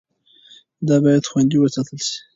دا باید خوندي وساتل شي.